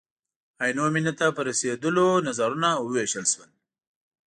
عینو مېنې ته په رسېدلو نظرونه ووېشل شول.